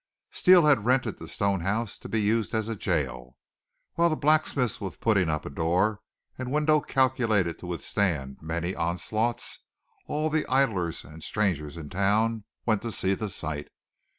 Steele had rented the stone house to be used as a jail. While the blacksmith was putting up a door and window calculated to withstand many onslaughts, all the idlers and strangers in town went to see the sight.